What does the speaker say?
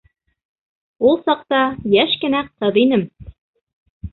Ул саҡта йәш кенә ҡыҙ инем.